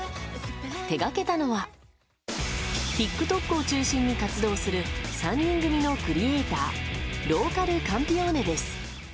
手がけたのはＴｉｋＴｏｋを中心に活動する３人組のクリエーターローカルカンピオーネです。